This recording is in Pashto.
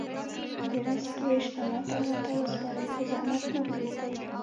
د رزق ویش الله تعالی ته وسپارئ، خو زحمت مه پرېږدئ.